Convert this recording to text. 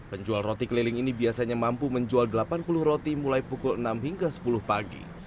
penjual roti keliling ini biasanya mampu menjual delapan puluh roti mulai pukul enam hingga sepuluh pagi